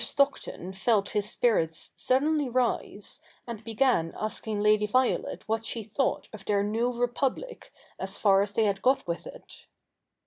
Stockton felt his spirits suddenly rise, and began asking Lady Violet what she thought of their new Republic as far as they had got with it.